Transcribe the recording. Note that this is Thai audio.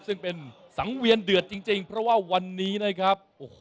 ซึ่งเป็นสังเวียนเดือดจริงเพราะว่าวันนี้นะครับโอ้โห